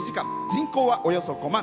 人口はおよそ５万。